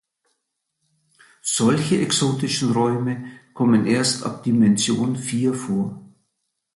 Solche exotischen Räume kommen erst ab Dimension vier vor.